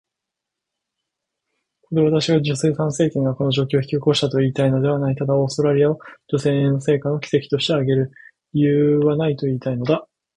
ここで私は、女性参政権がこの状況を引き起こしたと言いたいのではない。ただ、オーストラリアを女性の成果の奇跡として挙げる理由はないと言いたいのだ。